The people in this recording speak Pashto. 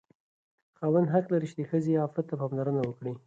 خاوند حق لري چې د ښځې عفت ته پاملرنه وکړي.